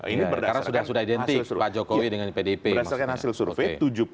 ini berdasarkan hasil survei